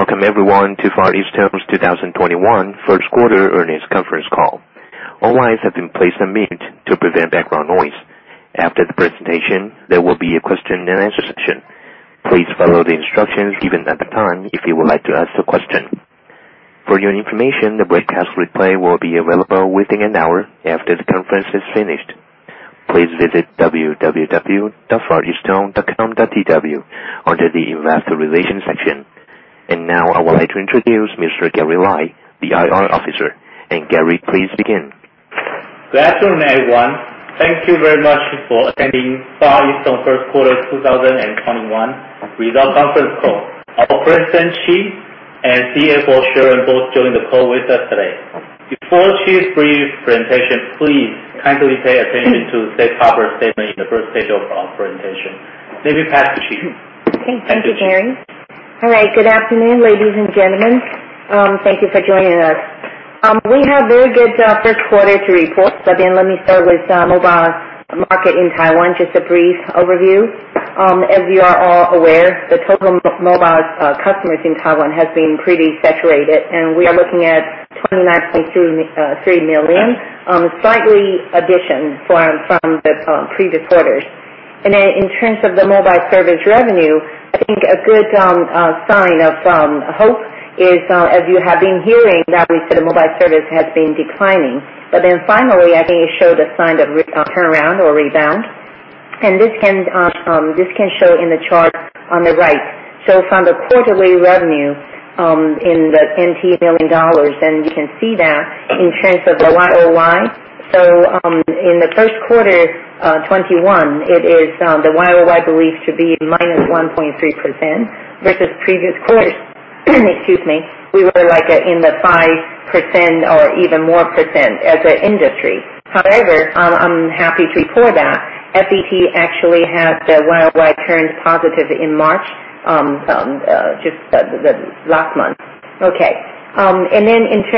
Welcome everyone to Far EasTone's 2021 First Quarter Earnings Conference Call. All lines have been placed on mute to prevent background noise. After the presentation, there will be a question and answer session. Please follow the instructions given at the time if you would like to ask a question. For your information, the broadcast replay will be available within an hour after the conference is finished. Please visit www.fareastone.com.tw under the investor relations section. Now I would like to introduce Mr. Gary Lai, the IR officer. Gary, please begin. Good afternoon, everyone. Thank you very much for attending Far EasTone First Quarter 2021 Result Conference Call. Our President, Chee Ching, and CFO, Sharon Lin, both joined the call with us today. Before Chee's brief presentation, please kindly pay attention to safe harbor statement in the first page of our presentation. Maybe pass to Chee Ching. Okay. Thank you, Gary. All right. Good afternoon, ladies and gentlemen. Thank you for joining us. We have very good first quarter to report. Let me start with mobile market in Taiwan, just a brief overview. As we are all aware, the total mobile customers in Taiwan has been pretty saturated, and we are looking at 29.3 million. Slightly addition from the previous quarters. In terms of the mobile service revenue, I think a good sign of hope is, as you have been hearing, that we said mobile service has been declining. Finally, I think it showed a sign of turnaround or rebound, and this can show in the chart on the right. From the quarterly revenue, in million dollars, then you can see that in terms of the YoY. In the first quarter 2021, the YoY believed to be -1.3% versus previous quarters. Excuse me. We were like in the 5% or even more percent as an industry. I'm happy to report that FET actually had the YoY turned positive in March, just the last month. Okay.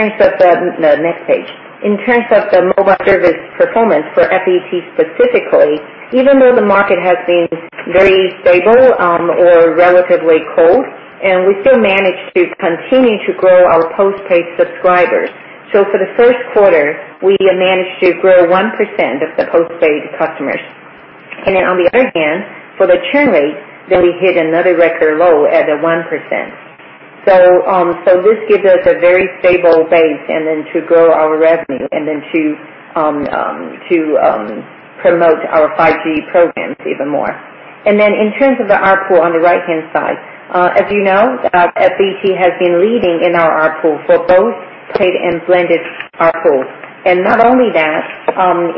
Next page. In terms of the mobile service performance for FET specifically, even though the market has been very stable or relatively cold, we still manage to continue to grow our postpaid subscribers. For the first quarter, we have managed to grow 1% of the postpaid customers. On the other hand, for the churn rate, we hit another record low at 1%. This gives us a very stable base and then to grow our revenue and then to promote our 5G programs even more. In terms of the ARPU on the right-hand side. As you know, FET has been leading in our ARPU for both paid and blended ARPU. Not only that,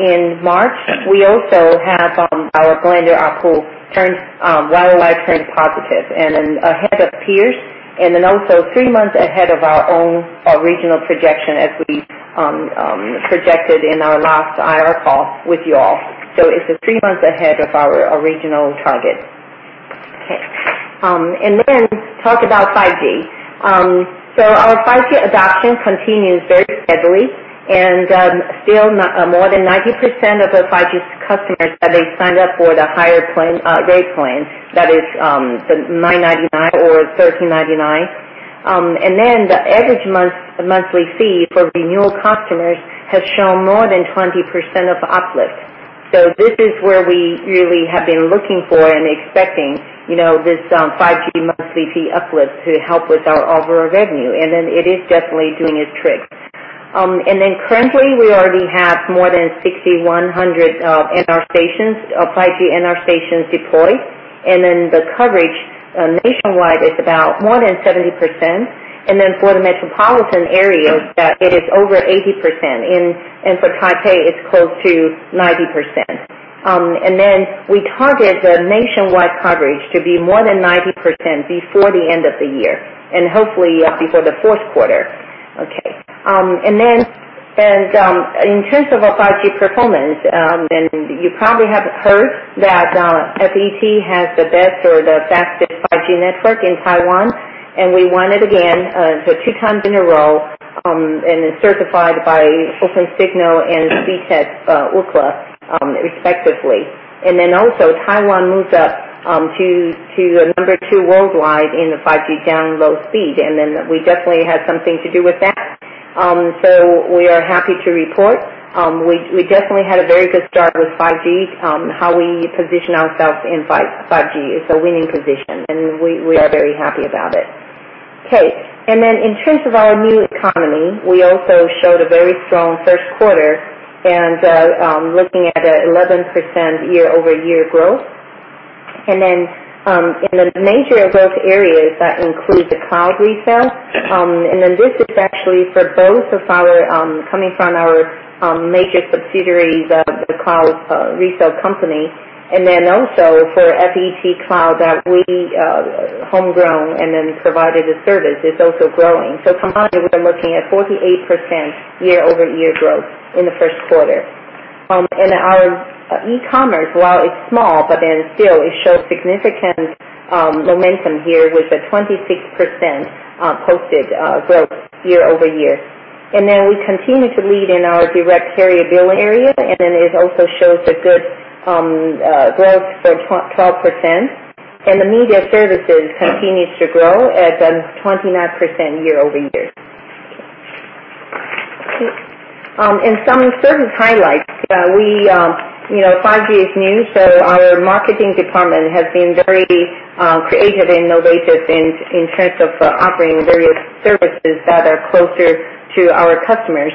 in March, we also have our blended ARPU YoY turned positive and ahead of peers, also three months ahead of our own original projection as we projected in our last IR call with you all. It's three months ahead of our original target. Okay. Talk about 5G. Our 5G adoption continues very steadily, still more than 90% of the 5G customers that they signed up for the higher rate plan, that is, the 999 or 1,399. The average monthly fee for renewal customers has shown more than 20% of uplift. This is where we really have been looking for and expecting this 5G monthly fee uplift to help with our overall revenue. It is definitely doing its trick. Currently, we already have more than 6100 of our 5G NR stations deployed. The coverage nationwide is about more than 70%. For the metropolitan areas, that it is over 80%. For Taipei, it's close to 90%. We target the nationwide coverage to be more than 90% before the end of the year, and hopefully before the fourth quarter. In terms of our 5G performance, you probably have heard that FET has the best or the fastest 5G network in Taiwan, and we won it again the two times in a row, and it's certified by Opensignal and Ookla, respectively. Also Taiwan moved up to number two worldwide in the 5G download speed. We definitely had something to do with that. We are happy to report. We definitely had a very good start with 5G, how we position ourselves in 5G is a winning position, and we are very happy about it. Okay. In terms of our new economy, we also showed a very strong first quarter and looking at 11% year-over-year growth. In the major growth areas that include the cloud resale. This is actually for both coming from our major subsidiaries, the cloud resale company, and then also for FET Cloud that we homegrown and then provided a service. It's also growing. Combined, we are looking at 48% year-over-year growth in the first quarter. Our e-commerce, while it's small, still it shows significant momentum here with a 26% posted growth year-over-year. We continue to lead in our direct carrier billing area, it also shows a good growth for 12%. The media services continues to grow at 29% year-over-year. Some service highlights. 5G is new. Our marketing department has been very creative and innovative in terms of offering various services that are closer to our customers.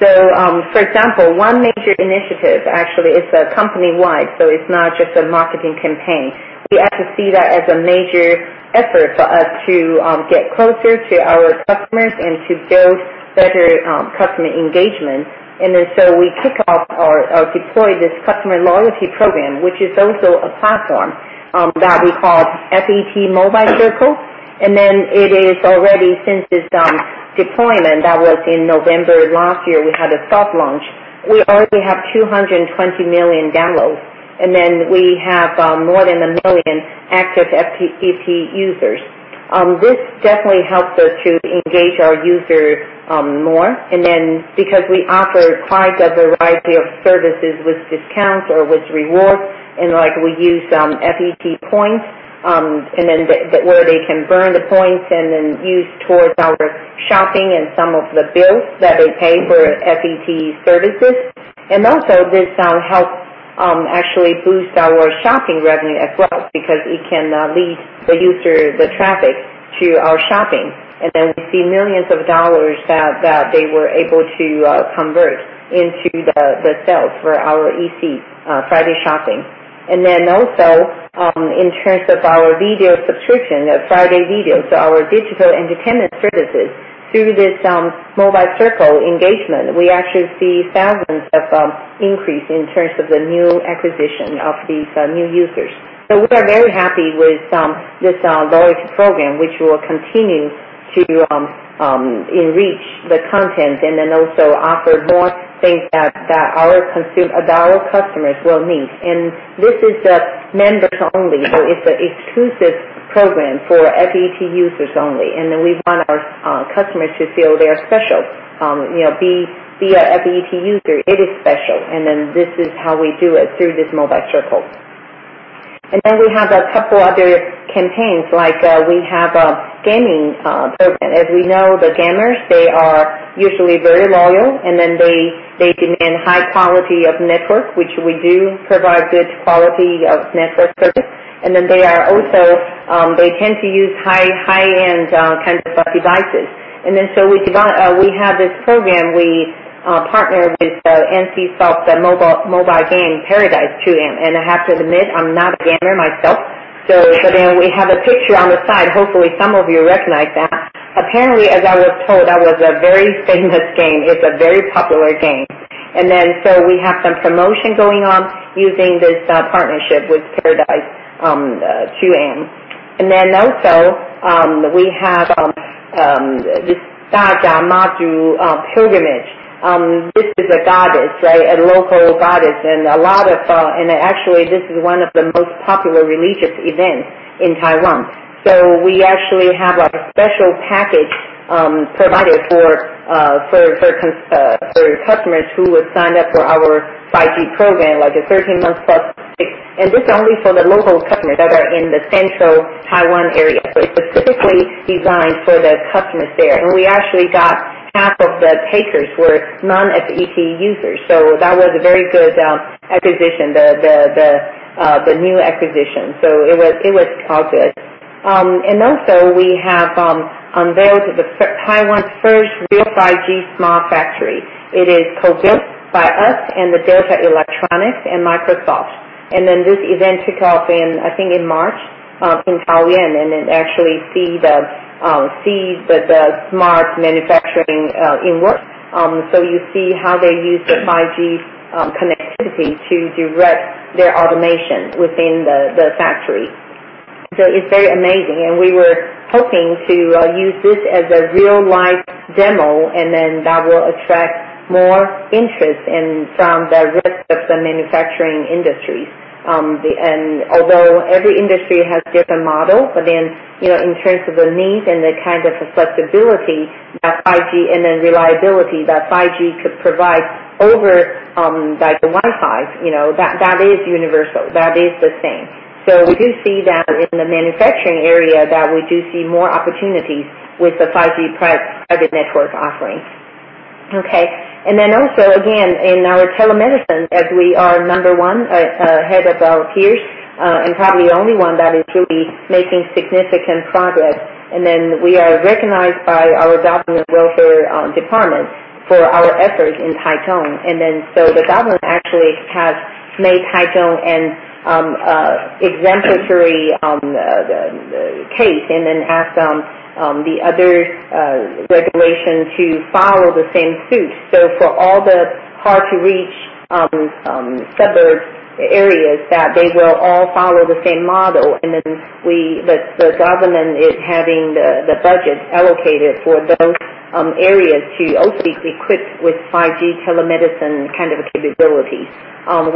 For example, one major initiative actually is company-wide, so it's not just a marketing campaign. We actually see that as a major effort for us to get closer to our customers and to build better customer engagement. We kick off or deploy this customer loyalty program, which is also a platform that we call FET Mobile Circle. It is already, since its deployment, that was in November last year, we had a soft launch. We already have 220 million downloads, we have more than 1 million active FET users. This definitely helps us to engage our users more. Because we offer quite a variety of services with discounts or with rewards, and we use FET points, where they can burn the points and use towards our shopping and some of the bills that they pay for FET services. This helps actually boost our shopping revenue as well because it can lead the user, the traffic, to our shopping. We see millions of TWD that they were able to convert into the sales for our friDay Shopping. Also, in terms of our video subscription, friDay Video, so our digital entertainment services. Through this Mobile Circle engagement, we actually see thousands of increase in terms of the new acquisition of these new users. We are very happy with this loyalty program, which will continue to enrich the content and then also offer more things that our customers will need. This is a members-only, so it is an exclusive program for FET users only. We want our customers to feel they are special. Be a FET user. It is special. This is how we do it through this Mobile Circle. We have a couple other campaigns, like we have a gaming program. As we know, the gamers, they are usually very loyal, and then they demand high quality of network, which we do provide good quality of network service. They tend to use high-end kinds of devices. We have this program. We partnered with NCSoft, the mobile gaming Paradise 2M. I have to admit, I'm not a gamer myself, so then we have a picture on the side. Hopefully, some of you recognize that. Apparently, as I was told, that was a very famous game. It's a very popular game. We have some promotion going on using this partnership with Paradise 2M. We have this Mazu pilgrimage. This is a goddess, right? A local goddess. Actually, this is one of the most popular religious events in Taiwan. We actually have a special package provided for customers who would sign up for our 5G program, like a 13-month plus. This is only for the local customers that are in the central Taiwan area. It's specifically designed for the customers there. We actually got half of the takers were non-FET users. That was a very good acquisition, the new acquisition. It was all good. Also we have unveiled Taiwan's first real 5G smart factory. It is co-built by us and Delta Electronics and Microsoft. This event took off in, I think, in March in Kaohsiung, and then actually see the smart manufacturing in work. You see how they use the 5G connectivity to direct their automation within the factory. It's very amazing. We were hoping to use this as a real-life demo, and then that will attract more interest from the rest of the manufacturing industries. Although every industry has different model, but then in terms of the need and the kind of flexibility that 5G, and then reliability that 5G could provide over the Wi-Fi, that is universal. That is the same. We do see that in the manufacturing area, that we do see more opportunities with the 5G private network offering. Okay. Also again, in our telemedicine, as we are number one ahead of our peers, and probably the only one that is really making significant progress. We are recognized by our Ministry of Health and Welfare for our efforts in Taichung. The government actually has made Taichung an exemplary case and then asked the other agencies to follow the same suit. For all the hard-to-reach suburbs areas, that they will all follow the same model. The government is having the budget allocated for those areas to also be equipped with 5G telemedicine kind of capabilities.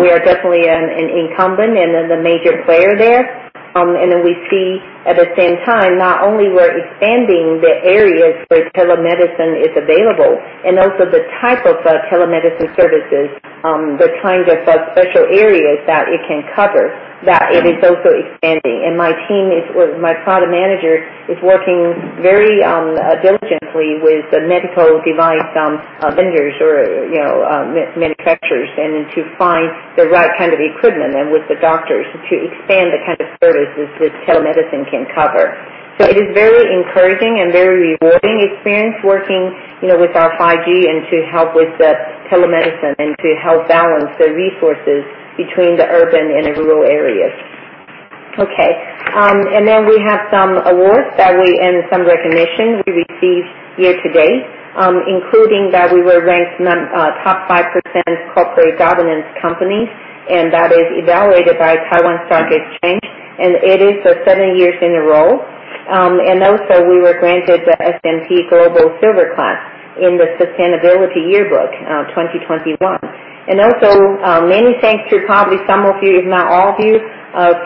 We are definitely an incumbent and the major player there. We see at the same time, not only we're expanding the areas where telemedicine is available, and also the type of telemedicine services, the kinds of special areas that it can cover, that it is also expanding. My team is, or my product manager, is working very diligently with the medical device vendors or manufacturers, and to find the right kind of equipment, and with the doctors to expand the kind of services that telemedicine can cover. It is very encouraging and very rewarding experience working with our 5G, and to help with the telemedicine, and to help balance the resources between the urban and the rural areas. Okay. Then we have some awards and some recognition we received year to date, including that we were ranked top 5% corporate governance company, and that is evaluated by Taiwan Stock Exchange. It is for seven years in a row. Also, we were granted the S&P Global Silver Class in The Sustainability Yearbook 2021. Also, many thanks to probably some of you, if not all of you,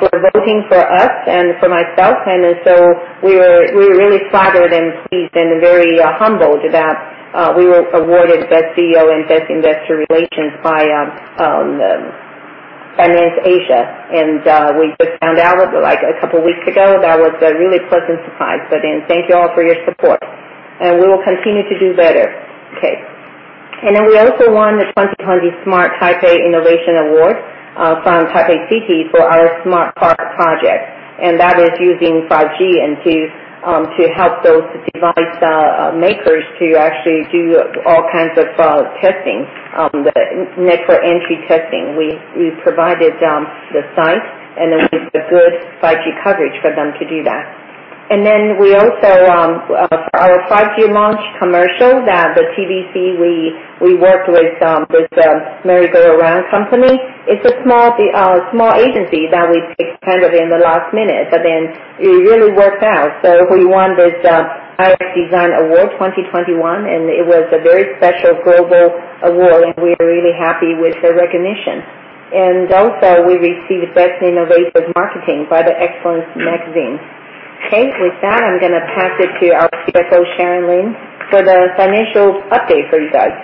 for voting for us and for myself. So we are really flattered and pleased and very humbled that we were awarded Best CEO and Best Investor Relations by FinanceAsia. We just found out a couple of weeks ago. That was a really pleasant surprise. Then thank you all for your support, and we will continue to do better. Okay. We also won the 2021 Smart Taipei Innovation Award from Taipei City for our smart park project. That is using 5G to help those device makers to actually do all kinds of testing, the network entry testing. We provided the site and then with the good 5G coverage for them to do that. Also, for our 5G launch commercial, the TVC we worked with the Merry Go Round company. It's a small agency that we picked kind of in the last minute, but then it really worked out. We won this A' Design Award 2021, and it was a very special global award, and we are really happy with the recognition. Also, we received Best Innovative Marketing by the Excellence Magazine. Okay. With that, I'm going to pass it to our CFO, Sharon Lin, for the financial update for you guys.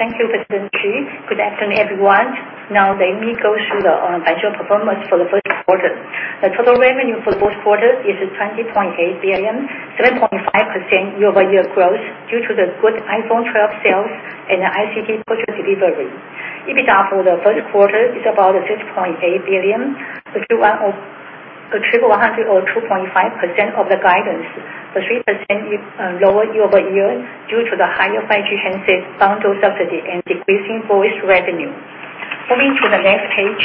Thank you, President Chee. Good afternoon, everyone. Let me go through the financial performance for the first quarter. The total revenue for the first quarter is 20.8 billion, 7.5% year-over-year growth due to the good iPhone 12 sales and the ICT project delivery. EBITDA for the first quarter is about 6.8 billion, achieved 102.5% of the guidance, 3% lower year-over-year due to the higher 5G handset bundle subsidy and decreasing voice revenue. Moving to the next page,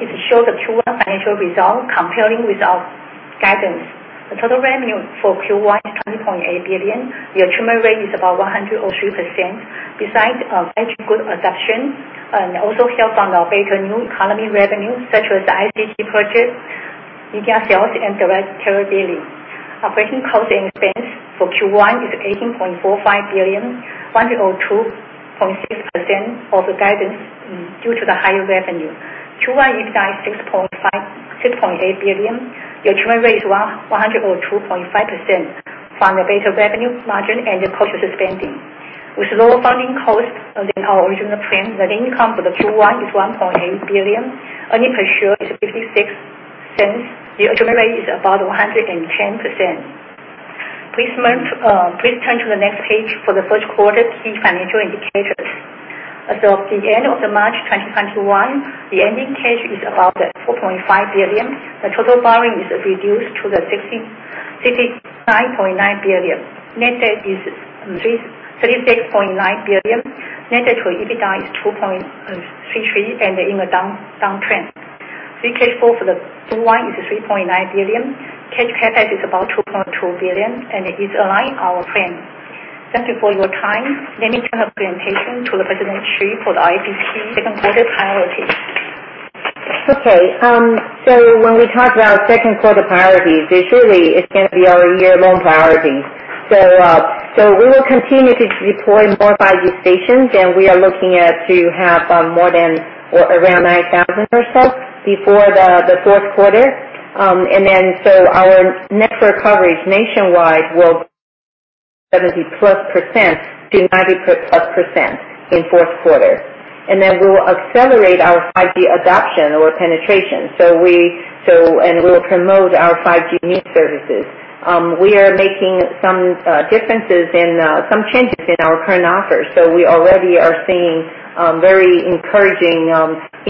it shows the Q1 financial result comparing with our guidance. The total revenue for Q1 is 20.8 billion. The achievement rate is about 103%. Besides 5G good adoption, also helped by the better new economy revenue such as ICT project, media sales, and the retail business. Operating cost and expense for Q1 is 18.45 billion, 102.6% of the guidance due to the higher revenue. Q1 EBITDA is 6.8 billion. The achievement rate is 102.5% from the better revenue margin and the cost spending. With lower funding costs than our original plan, net income for the Q1 is 1.8 billion. Earnings per share is 0.56. The achievement rate is about 110%. Please turn to the next page for the first quarter key financial indicators. As of the end of the March 2021, the ending cash is about 4.5 billion. The total borrowing is reduced to the 69.9 billion. Net debt is 36.9 billion. Net debt to EBITDA is 2.33 and in a downtrend. Free cash flow for the Q1 is 3.9 billion. Cash CapEx is about 2.2 billion, and it is aligned our plan. Thank you for your time. Let me turn the presentation to President Chee for the ICT second quarter priorities. Okay. When we talk about second quarter priorities, they surely it's going to be our year-long priority. We will continue to deploy more 5G stations, and we are looking at to have more than or around 9,000 or so before the fourth quarter. Our network coverage nationwide will be 70%+ to 90%+ in fourth quarter. We will accelerate our 5G adoption or penetration. We will promote our 5G new services. We are making some differences and some changes in our current offers. We already are seeing very encouraging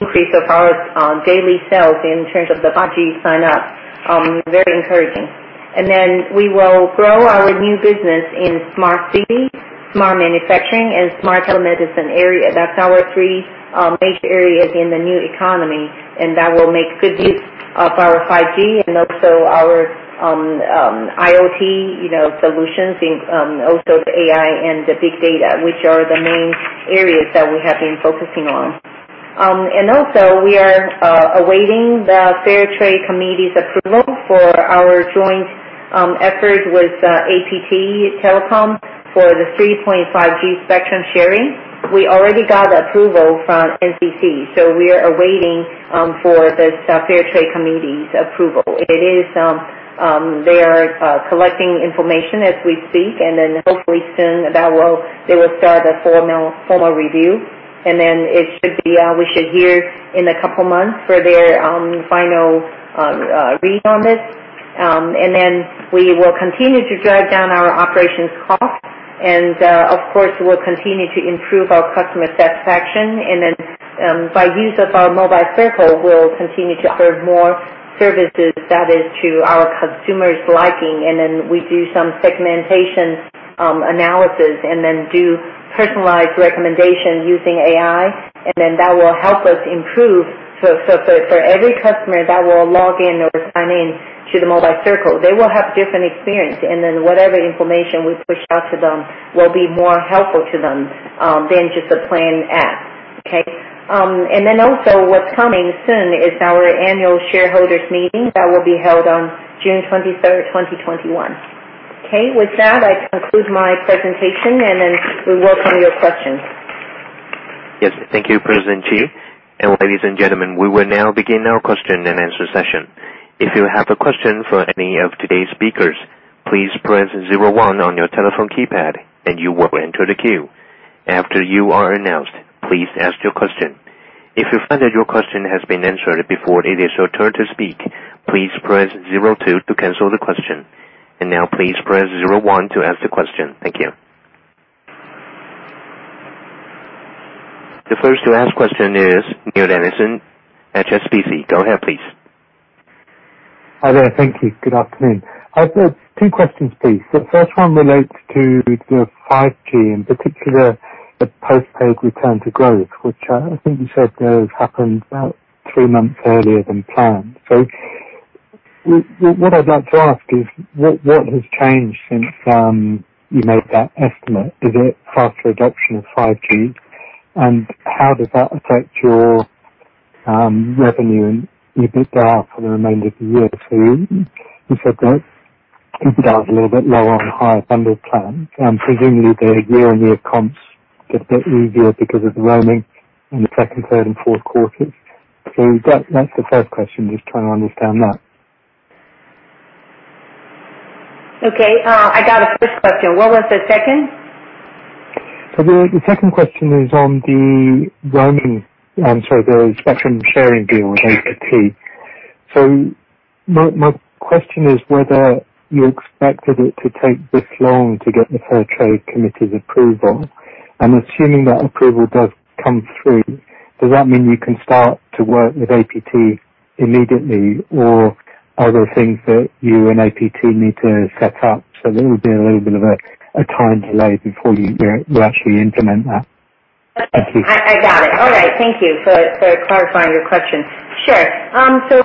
increase of our daily sales in terms of the 5G signups. Very encouraging. We will grow our new business in smart city, smart manufacturing, and smart telemedicine area. That is our three major areas in the new economy, and that will make good use of our 5G and also our IoT solutions, also the AI and the big data, which are the main areas that we have been focusing on. We are awaiting the Fair Trade Commission's approval for our joint effort with APT Telecom for the 3.5 GHz spectrum sharing. We already got approval from NCC, so we are waiting for the Fair Trade Commission's approval. They are collecting information as we speak, hopefully soon they will start a formal review, and then we should hear in a couple of months for their final read on this. We will continue to drive down our operations cost, and of course, we will continue to improve our customer satisfaction. By use of our FET Mobile Circle, we'll continue to serve more services that is to our customers' liking. We do some segmentation analysis and then do personalized recommendations using AI. That will help us improve. For every customer that will log in or sign in to the FET Mobile Circle, they will have different experience. Whatever information we push out to them will be more helpful to them than just a plan X. Okay? Also what's coming soon is our annual shareholders' meeting that will be held on June 23rd, 2021. Okay. With that, I conclude my presentation, and then we welcome your questions. Yes. Thank you, President Chee. Ladies and gentlemen, we will now begin our question-and-answer session. If you have a question for any of today's speakers, please press zero one on your telephone keypad, you will enter the queue. After you are announced, please ask your question. If you find that your question has been answered before it is your turn to speak, please press zero two to cancel the question. Now please press zero one to ask the question. Thank you. The first to ask question is Neale Anderson, HSBC. Go ahead, please. Hi there. Thank you. Good afternoon. I've got two questions, please. The first one relates to the 5G, in particular, the postpaid return to growth, which I think you said there has happened about three months earlier than planned. What I'd like to ask is, what has changed since you made that estimate? Is it faster adoption of 5G? How does that affect your revenue and EBITDA for the remainder of the year? You said that EBITDA was a little bit lower on higher bundled plans, and presumably the year-on-year comps get a bit easier because of the roaming in the second, third, and fourth quarters. That's the first question. Just trying to understand that. Okay. I got the first question. What was the second? The second question is on the roaming, I'm sorry, the spectrum sharing deal with APT. My question is whether you expected it to take this long to get the Fair Trade Commission's approval. Assuming that approval does come through, does that mean you can start to work with APT immediately? Are there things that you and APT need to set up? There will be a little bit of a time delay before you actually implement that. Thank you. I got it. All right. Thank you for clarifying your question. Sure.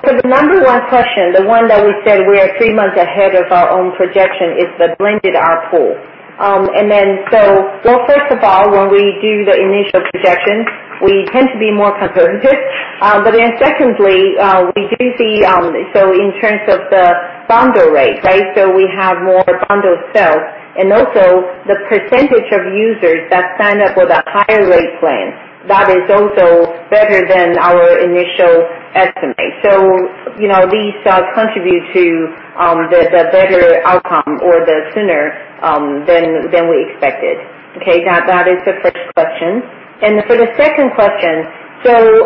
For the number one question, the one that we said we are three months ahead of our own projection, is the blended ARPU. First of all, when we do the initial projections, we tend to be more conservative. Secondly, we do see in terms of the bundle rate, right, we have more bundle sales and also the percentage of users that sign up with a higher rate plan. That is also better than our initial estimate. These contribute to the better outcome or the sooner than we expected. Okay. That is the first question. For the second question,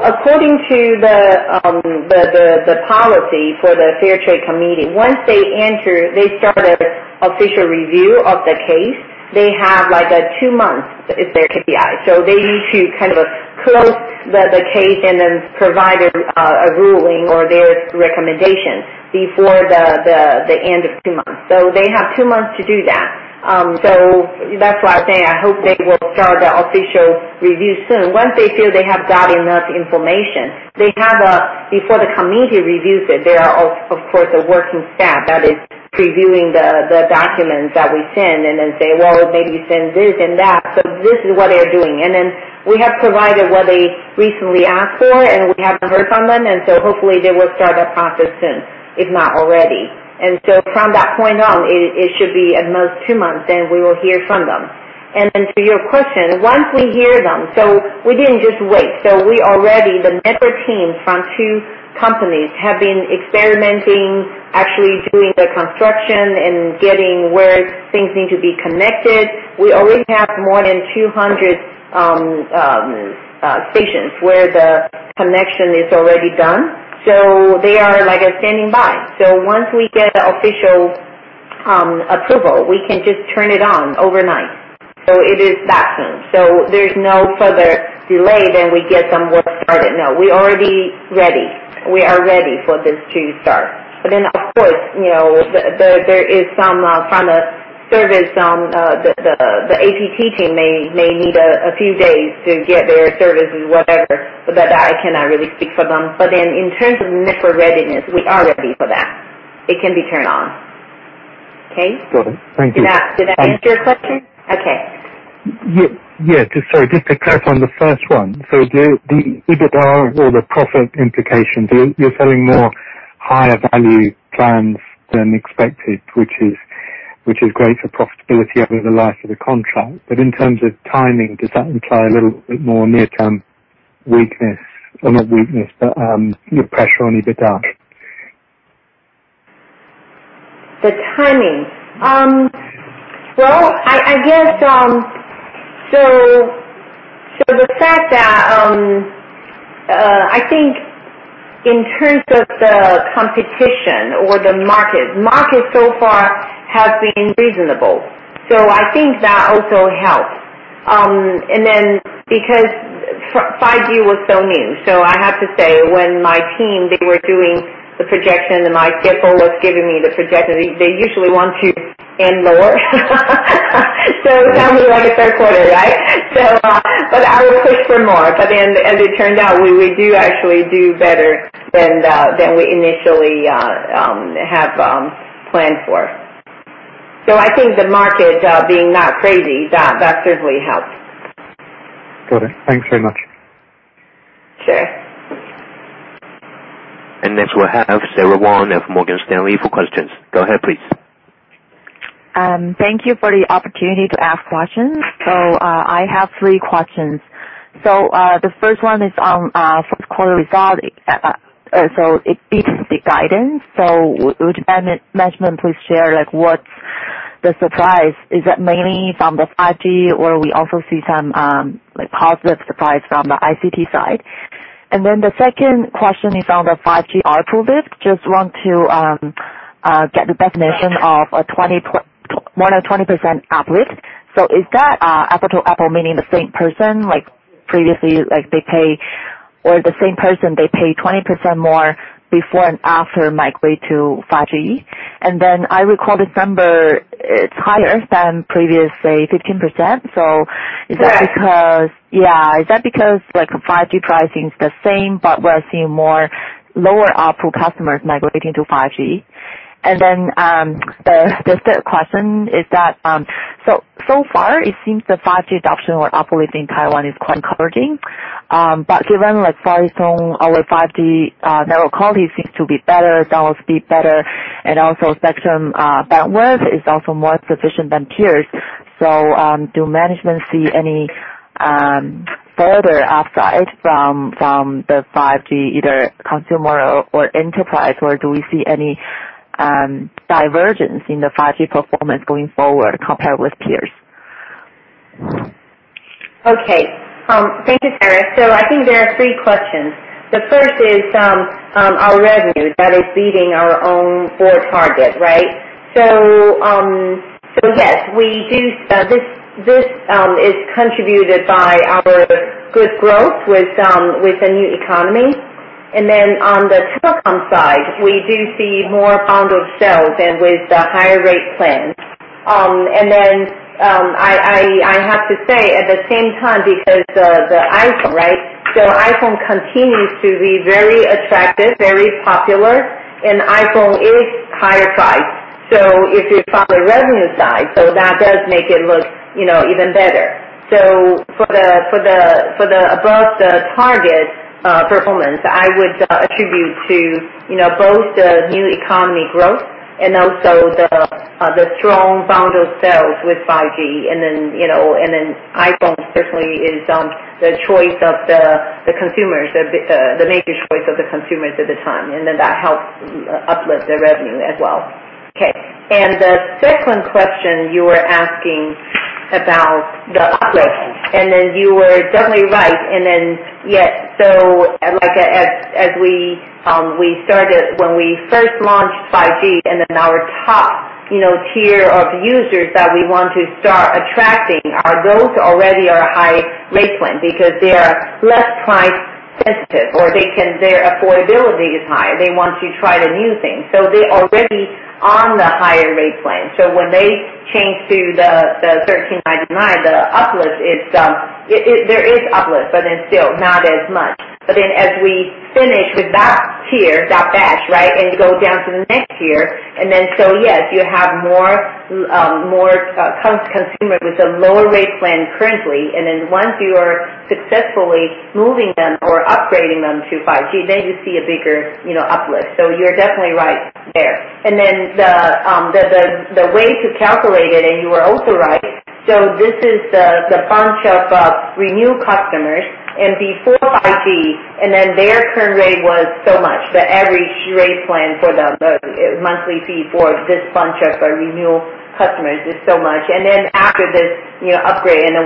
according to the policy for the Fair Trade Commission, once they start an official review of the case, they have two months is their KPI. They need to close the case and then provide a ruling or their recommendation before the end of two months. They have two months to do that. That's why I'm saying I hope they will start the official review soon. Once they feel they have got enough information, before the commission reviews it, there are, of course, a working staff that is previewing the documents that we send and then say, "Well, maybe send this and that." This is what they are doing. We have provided what they recently asked for, and we haven't heard from them, hopefully they will start that process soon, if not already. From that point on, it should be at most two months, then we will hear from them. To your question, once we hear them, we didn't just wait. The network team from two companies have been experimenting, actually doing the construction and getting where things need to be connected. We already have more than 200 stations where the connection is already done. They are standing by. Once we get the official approval, we can just turn it on overnight. It is that soon. There is no further delay, we get them well-started. No, we already ready. We are ready for this to start. Of course, there is some kind of service the APT team may need a few days to get their services, whatever. That I cannot really speak for them. In terms of network readiness, we are ready for that. It can be turned on. Okay? Got it. Thank you. Did that answer your question? Okay. Yes. Sorry, just to clarify on the first one. The EBITDA or the profit implications, you're selling more higher value plans than expected, which is great for profitability over the life of the contract. But in terms of timing, does that imply a little bit more near-term weakness? Or not weakness, but pressure on EBITDA? The timing. Well, I guess the fact that I think in terms of the competition or the market so far has been reasonable. I think that also helps. Because 5G was new, I have to say, when my team, they were doing the projection, and my CFO was giving me the projection, they usually want to end more. It's only like a third quarter, right? I will push for more. As it turned out, we would actually do better than we initially have planned for. I think the market being not crazy, that certainly helped. Got it. Thanks very much. Sure. Next we'll have Sara Wang of Morgan Stanley for questions. Go ahead, please. Thank you for the opportunity to ask questions. I have three questions. The first one is on first quarter result. It beats the guidance. Would management please share what's the surprise? Is that mainly from the 5G, or we also see some positive surprise from the ICT side? The second question is on the 5G ARPU lift. Just want to get the definition of more than 20% uplift. Is that apple to apple, meaning the same person, like previously, they pay, or the same person, they pay 20% more before and after migrate to 5G? I recall this number, it's higher than previous, say 15%. Is that because? Right. Yeah. Is that because 5G pricing is the same, but we're seeing more lower ARPU customers migrating to 5G? The third question is that, so far it seems the 5G adoption or uplift in Taiwan is quite encouraging. Given Far EasTone, our 5G network quality seems to be better, download speed better, and also spectrum bandwidth is also more sufficient than peers. Do management see any further upside from the 5G, either consumer or enterprise? Do we see any divergence in the 5G performance going forward compared with peers? Okay. Thank you, Sara. I think there are three questions. The first is our revenue that is beating our own board target, right? Yes, this is contributed by our good growth with the new economy. On the telecom side, we do see more bundled sales and with the higher rate plan. I have to say at the same time, because the iPhone, right? iPhone continues to be very attractive, very popular, and iPhone is higher priced. If you're from the revenue side, so that does make it look even better. For the above the target performance, I would attribute to both the new economy growth and also the strong bundled sales with 5G. iPhone certainly is the choice of the consumers, the major choice of the consumers at the time, and then that helps uplift the revenue as well. The second question you were asking about the uplift. You were definitely right. As we started when we first launched 5G, our top tier of users that we want to start attracting are those already are high rate plan because they are less price sensitive or their affordability is high. They want to try the new thing. They're already on the higher rate plan. When they change to the 1,399, there is uplift, but still not as much. As we finish with that tier, that batch, right, you go down to the next tier. Yes, you have more consumers with a lower rate plan currently. Once you are successfully moving them or upgrading them to 5G, you see a bigger uplift. You're definitely right there. The way to calculate it, you are also right, this is the bunch of renew customers before 5G, their current rate was so much. The average rate plan for the monthly fee for this bunch of renew customers is so much. After this upgrade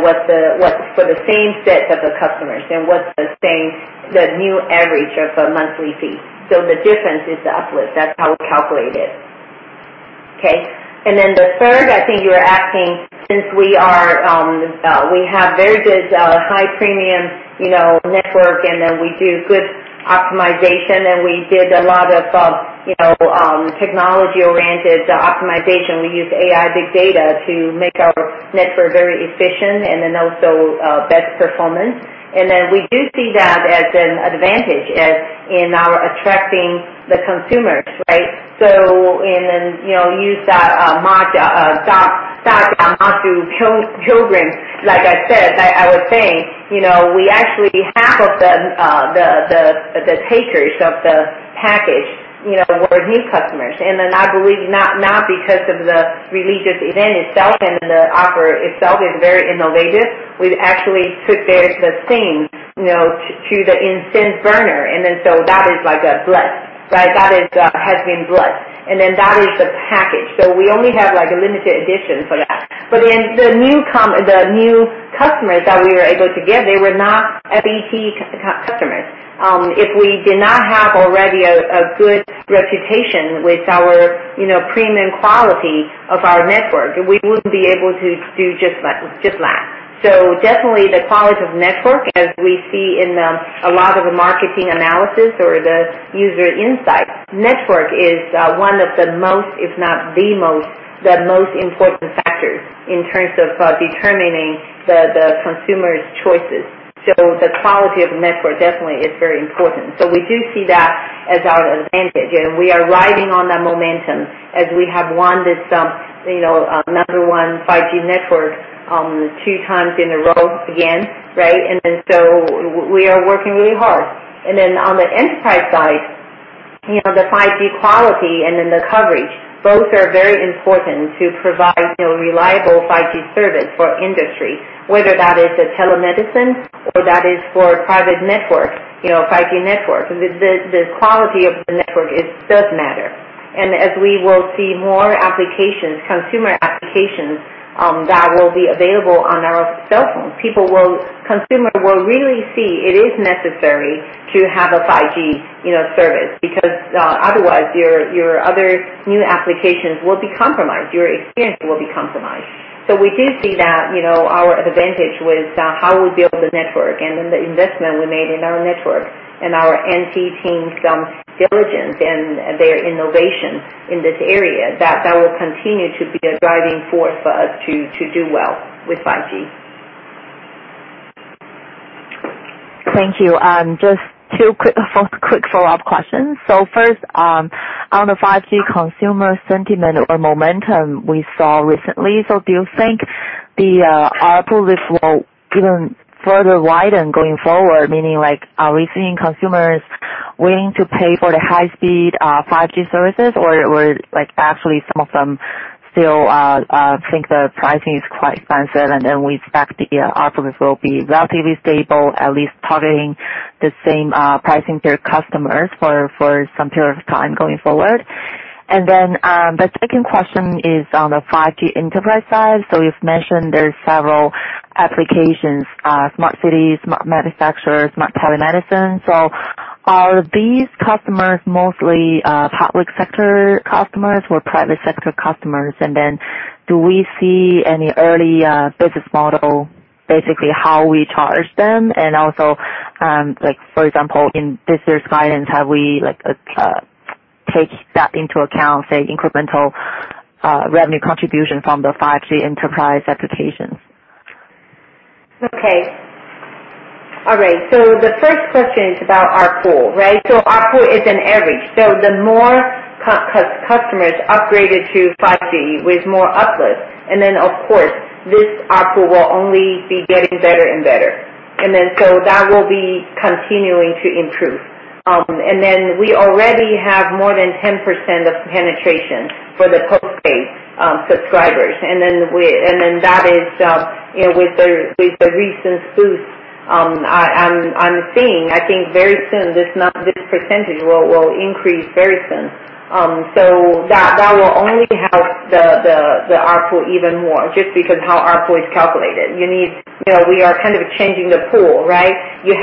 for the same set of the customers, what the new average of a monthly fee. The difference is the uplift. That's how we calculate it. Okay. The third, I think you were asking since we have very good high premium network, we do good optimization, and we did a lot of technology-oriented optimization. We use AI big data to make our network very efficient, also best performance. We do see that as an advantage in our attracting the consumers, right? Use that Mazu pilgrims, like I said, I would think, we actually half of the takers of the package were new customers. I believe not because of the religious event itself and the offer itself is very innovative. We actually took the scene to the incense burner, that is like a bless, right? That has been blessed, that is the package. We only have a limited edition for that. The new customers that we were able to get, they were not FET customers. If we did not have already a good reputation with our premium quality of our network, we wouldn't be able to do just that. Definitely the quality of network, as we see in a lot of the marketing analysis or the user insight, network is one of the most, if not the most important factors in terms of determining the consumer's choices. The quality of the network definitely is very important. We do see that as our advantage, and we are riding on that momentum as we have won this number one 5G network two times in a row again, right? We are working really hard. On the enterprise side, the 5G quality and then the coverage, both are very important to provide reliable 5G service for industry, whether that is the telemedicine or that is for private network, 5G network. The quality of the network, it does matter. As we will see more applications, consumer applications that will be available on our cell phones, people will, consumer will really see it is necessary to have a 5G service because otherwise your other new applications will be compromised, your experience will be compromised. We do see that, our advantage with how we build the network and then the investment we made in our network and our NT team's diligence and their innovation in this area, that will continue to be a driving force for us to do well with 5G. Thank you. Just two quick follow-up questions. First, on the 5G consumer sentiment or momentum we saw recently, so do you think the ARPU, this will even further widen going forward, meaning are we seeing consumers willing to pay for the high-speed 5G services? Were actually some of them still think the pricing is quite expensive, and then we expect the ARPU will be relatively stable, at least targeting the same pricing tier customers for some period of time going forward? The second question is on the 5G enterprise side. You've mentioned there's several applications, smart cities, smart manufacturers, smart telemedicine. Are these customers mostly public sector customers or private sector customers? Do we see any early business model, basically how we charge them? Also like for example, in this year's guidance, have we like take that into account, say, incremental revenue contribution from the 5G enterprise applications? Okay. All right. The first question is about ARPU, right? ARPU is an average. The more customers upgraded to 5G with more uplift, of course this ARPU will only be getting better and better. That will be continuing to improve. We already have more than 10% of penetration for the postpaid subscribers. That is with the recent boost I'm seeing, I think very soon, this percentage will increase very soon. That will only help the ARPU even more just because how ARPU is calculated. We are kind of changing the pool, right? You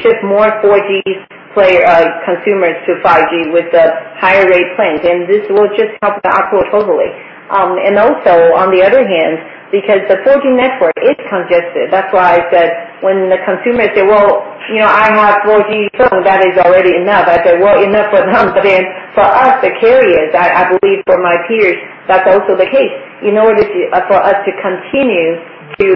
shift more 4G consumers to 5G with the higher rate plans, this will just help the ARPU totally. On the other hand, because the 4G network is congested, that's why I said when the consumer say, "Well, I have 4G phone, that is already enough." I say, "Well, enough for them." For us, the carriers, I believe for my peers, that's also the case. In order for us to continue to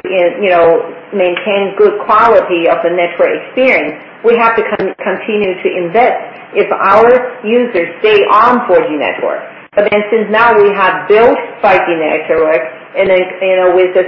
maintain good quality of the network experience, we have to continue to invest if our users stay on 4G network. Since now we have built 5G networks, and then with the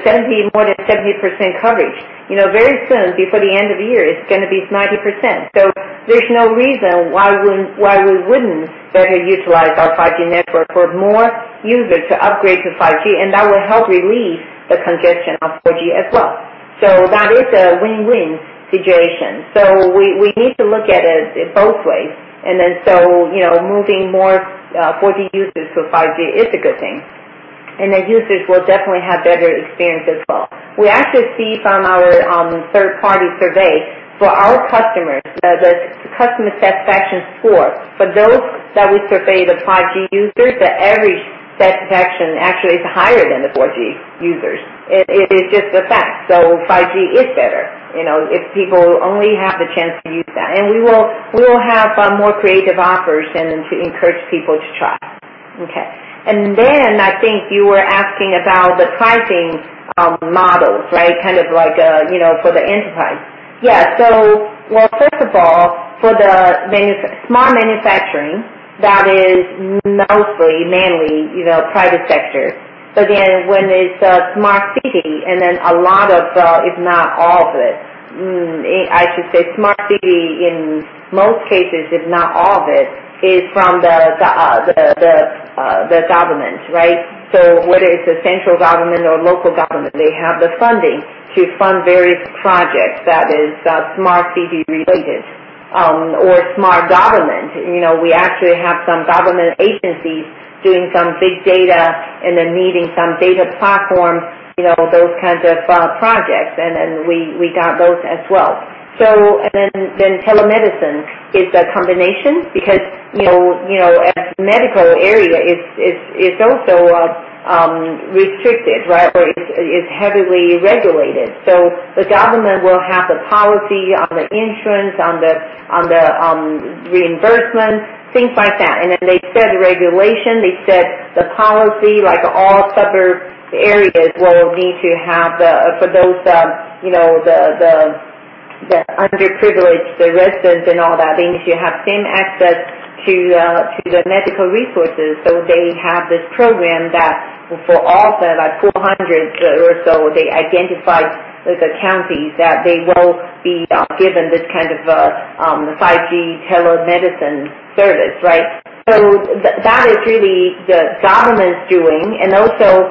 more than 70% coverage, very soon, before the end of the year, it's going to be 90%. There's no reason why we wouldn't better utilize our 5G network for more users to upgrade to 5G, and that will help relieve the congestion on 4G as well. That is a win-win situation. We need to look at it both ways. Moving more 4G users to 5G is a good thing. The users will definitely have better experience as well. We actually see from our third-party survey for our customers, the customer satisfaction score for those that we survey the 5G users, the average satisfaction actually is higher than the 4G users. It is just a fact. 5G is better if people only have the chance to use that. We will have more creative offers then to encourage people to try. Okay. I think you were asking about the pricing models, right? Kind of like for the enterprise. Yeah. First of all, for the smart manufacturing, that is mostly mainly private sector. Again, when it's a smart city, and then a lot of, if not all of it, I should say smart city in most cases, if not all of it, is from the government, right? Whether it's a central government or local government, they have the funding to fund various projects that is smart city related or smart government. We actually have some government agencies doing some big data and then needing some data platforms, those kinds of projects, and we got those as well. Telemedicine is a combination because, as medical area, it's also restricted, right, or it's heavily regulated. The government will have the policy on the insurance, on the reimbursement, things like that. They set regulation, they set the policy, like all suburb areas will need to have for those underprivileged residents and all that, they need to have same access to the medical resources. They have this program that for all the 400 or so, they identified the counties that they will be given this kind of a 5G telemedicine service, right? That is really the government's doing, and also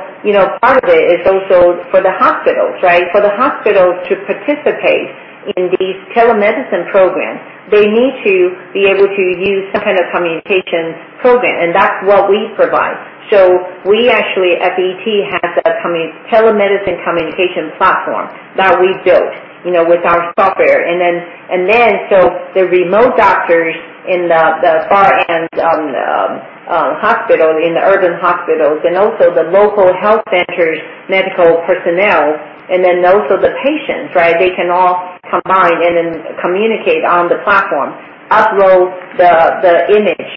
part of it is also for the hospitals, right? For the hospitals to participate in these telemedicine programs, they need to be able to use some kind of communications program, and that's what we provide. We actually, FET, has a telemedicine communication platform that we built with our software. The remote doctors in the far end hospitals, in the urban hospitals, and also the local health centers, medical personnel, and also the patients, they can all combine and communicate on the platform, upload the image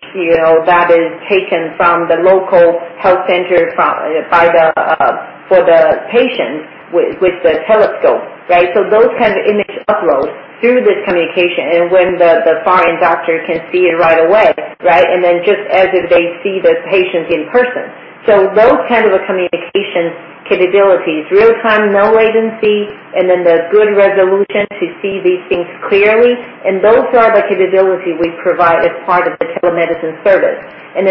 that is taken from the local health center for the patient with the telescope. Those kind of image uploads through this communication, and when the far end doctor can see it right away. Just as if they see the patients in person. Those kind of communication capabilities, real-time, no latency, and then the good resolution to see these things clearly, and those are the capability we provide as part of the telemedicine service. In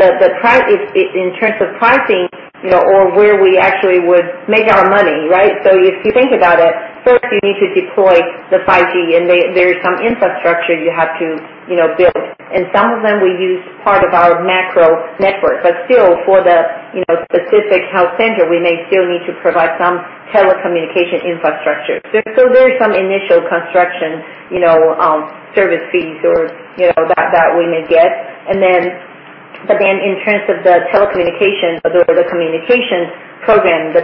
terms of pricing, or where we actually would make our money. If you think about it, first you need to deploy the 5G, and there is some infrastructure you have to build. Some of them we use part of our macro network, but still for the specific health center, we may still need to provide some telecommunication infrastructure. There is some initial construction service fees that we may get, but then in terms of the telecommunications or the communication program, the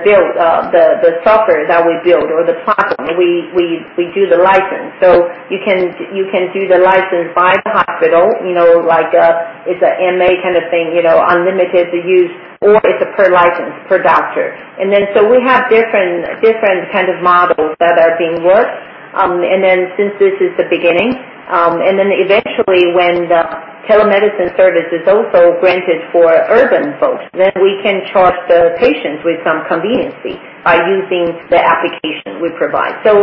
software that we build or the platform, we do the license. You can do the license by the hospital, like it's a MA kind of thing, unlimited use, or it's a per license per doctor. We have different kind of models that are being worked, since this is the beginning, eventually when the telemedicine service is also granted for urban folks, we can charge the patients with some convenience by using the application we provide. There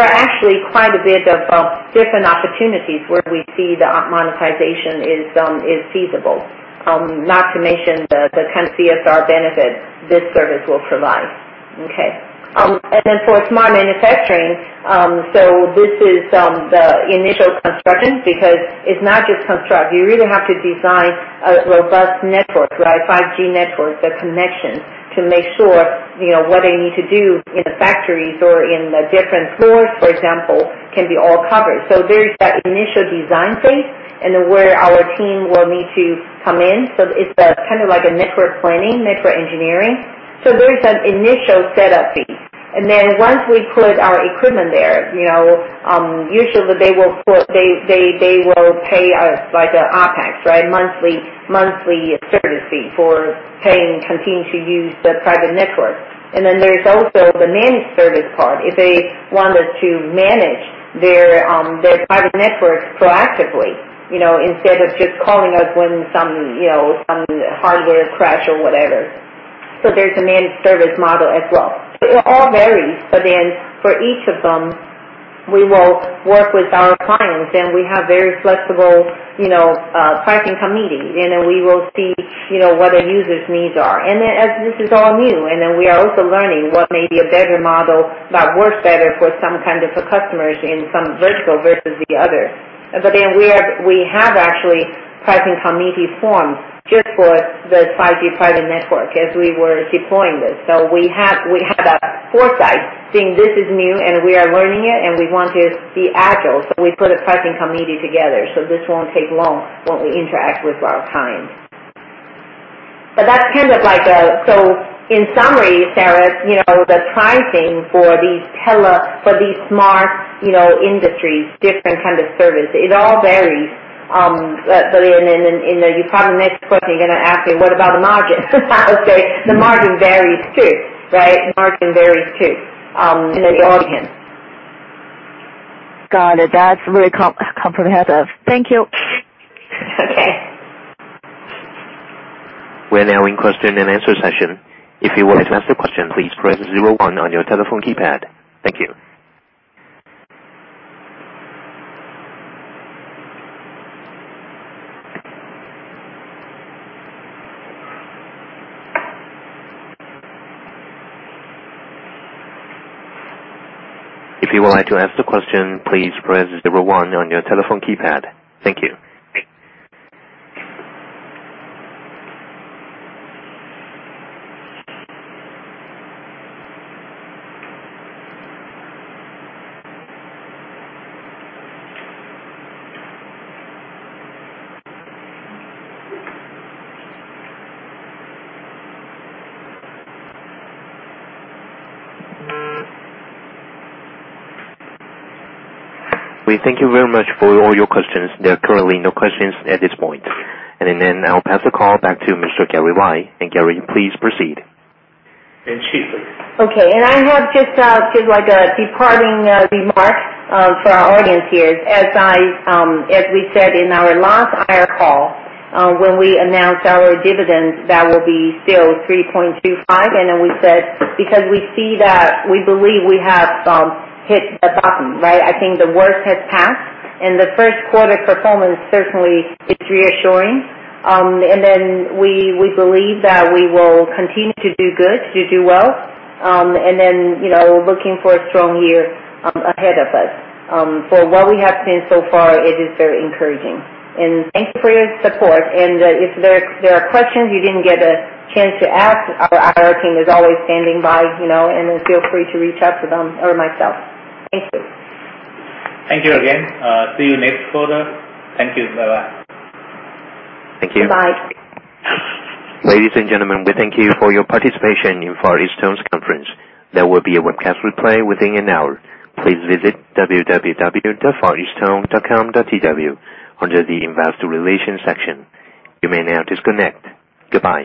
are actually quite a bit of different opportunities where we see the monetization is feasible. Not to mention the kind of CSR benefit this service will provide. Okay. For smart manufacturing, this is the initial construction because it's not just construction. You really have to design a robust network, right? 5G network, the connection to make sure what they need to do in the factories or in the different floors, for example, can be all covered. There is that initial design phase and where our team will need to come in. It's kind of like a network planning, network engineering. There is an initial setup fee, and then once we put our equipment there, usually they will pay us like an OPEX, right, monthly service fee for paying continue to use the private network. There's also the managed service part. If they want us to manage their private networks proactively, instead of just calling us when some hardware crash or whatever. There's a managed service model as well. It all varies. For each of them, we will work with our clients, and we have very flexible pricing committee, and then we will see what a user's needs are. As this is all new, and then we are also learning what may be a better model that works better for some kind of customers in some vertical versus the other. We have actually pricing committee formed just for the 5G private network as we were deploying this. We have that foresight, seeing this is new and we are learning it and we want to be agile, so we put a pricing committee together. This won't take long when we interact with our clients. In summary, Sara the pricing for these smart industries, different kind of service, it all varies. You probably next question you're going to ask me, what about the margin? Okay, the margin varies too, right? Margin varies too in the audience. Got it. That's really comprehensive. Thank you. Okay. We're now in question and answer session. If you would like to ask a question, please press zero one on your telephone keypad. Thank you. We thank you very much for all your questions. There are currently no questions at this point. I'll pass the call back to Mr. Gary Lai. Gary, please proceed. Chee. Okay, I have just a departing remark for our audience here. As we said in our last IR call, when we announced our dividend, that will be still 3.25. We said, because we see that we believe we have hit the bottom, right? I think the worst has passed. The first quarter performance certainly is reassuring. We believe that we will continue to do good, to do well. Looking for a strong year ahead of us. For what we have seen so far, it is very encouraging. Thank you for your support. If there are questions you didn't get a chance to ask, our IR team is always standing by, and then feel free to reach out to them or myself. Thank you. Thank you again. See you next quarter. Thank you. Bye-bye. Thank you. Bye-bye. Ladies and gentlemen, we thank you for your participation in Far EasTone's conference. There will be a webcast replay within an hour. Please visit www.fareastone.com.tw under the investor relations section. You may now disconnect. Goodbye.